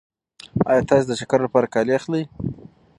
ایا تاسې د چکر لپاره کالي اخلئ؟